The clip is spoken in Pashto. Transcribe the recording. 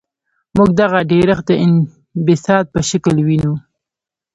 موږ دغه ډیرښت د انبساط په شکل وینو.